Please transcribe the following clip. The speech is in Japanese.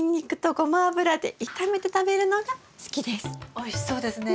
おいしそうですね。